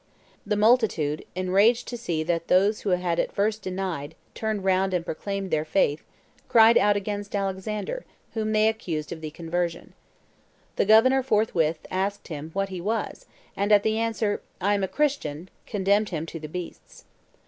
The multitude, enraged to see that those who had at first denied, turned round and proclaimed their faith, cried out against Alexander, whom they accused of the conversion. The governor forthwith asked him what he was, and at the answer, 'I am a Christian,' condemned him to the beasts.